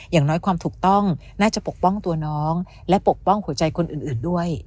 อย่างน้อยความถูกต้องน่าจะปกป้องตัวน้องและปกป้องหัวใจคนอื่นด้วย